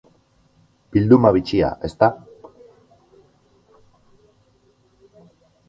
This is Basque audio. Bilduma bitxia, ezta?